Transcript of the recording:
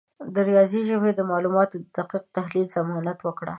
د ریاضي ژبه د معلوماتو د دقیق تحلیل ضمانت وکړه.